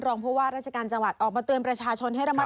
ผู้ว่าราชการจังหวัดออกมาเตือนประชาชนให้ระมัด